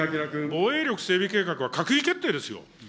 防衛力整備計画は閣議決定ですよ。